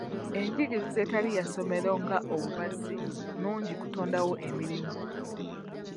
Enjigiriza etali ya ssomero nga obubazzi nnungi mu kutondawo emirimu.